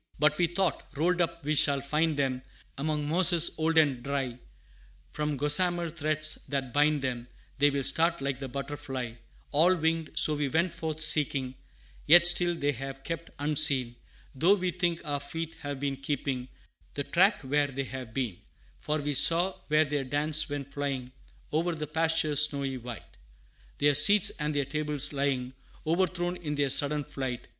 But we thought, rolled up we shall find them Among mosses old and dry; From gossamer threads that bind them, They will start like the butterfly, All winged: so we went forth seeking, Yet still they have kept unseen; Though we think our feet have been keeping The track where they have been, For we saw where their dance went flying O'er the pastures, snowy white." Their seats and their tables lying, O'erthrown in their sudden flight.